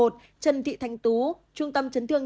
trần thị thanh tú trung tâm chấn thương